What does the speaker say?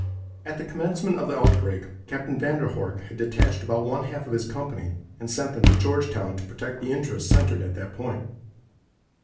At the commencement of the outbreak Captain Van der Horck had detached about one half of his company, and sent them to Georgetown, to protect the interests centered at that point.